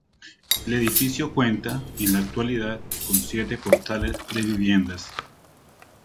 El edificio cuenta, en la actualidad, con siete portales de viviendas.